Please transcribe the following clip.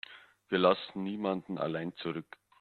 Wir lassen niemanden allein zurück.